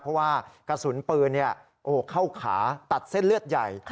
เพราะว่ากระสุนปืนเข้าขาตัดเส้นเลือดใหญ่